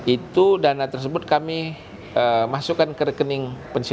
itu dana tersebut kami masukkan ke rekening